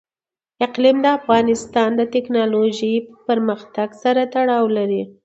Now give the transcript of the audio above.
اقلیم د افغانستان د تکنالوژۍ پرمختګ سره تړاو لري.